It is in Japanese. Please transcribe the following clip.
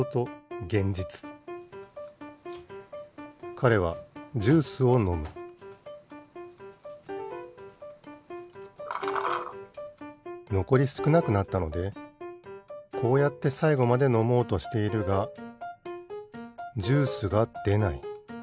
かれはジュースをのむのこりすくなくなったのでこうやってさいごまでのもうとしているがジュースがでない。